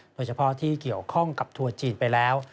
โดยเฉพาะที่เกี่ยวข้องกับทัวร์จีนไปแล้ว